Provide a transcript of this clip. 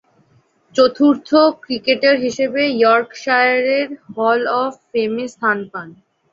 চতুর্থ ক্রিকেটার হিসেবে ইয়র্কশায়ারের হল অব ফেমে স্থান পান।